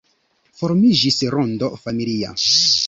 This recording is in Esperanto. Formiĝis rondo familia.